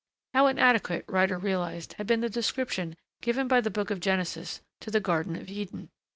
How inadequate, Ryder realized, had been the description given by the Book of Genesis to the Garden of Eden.